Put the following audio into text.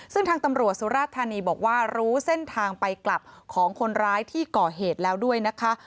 ซึ่งทางตำรวจสุราธานีบอกว่ารู้เส้นทางไปกลับของคนร้ายที่ก่อเหตุแล้วด้วยนะคะ